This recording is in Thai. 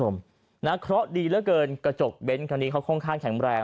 เพราะดีเหลือเกินกระจกเบนท์คันนี้เขาค่อนข้างแข็งแรง